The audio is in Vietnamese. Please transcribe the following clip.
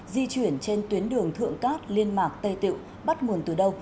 di chuyển trên tuyến đường thượng cát liên mạc tây tiệu bắt nguồn từ đâu